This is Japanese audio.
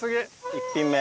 １品目。